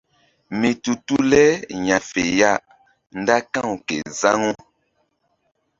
Mi tu tu le ya̧fe ya nda ka̧w ke zaŋu.